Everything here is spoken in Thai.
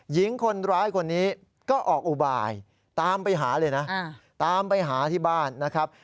หญิงคนร้ายคนนี้ก็ออกอุบายตามไปหาเลยนะตามไปหาที่บ้านนะครับ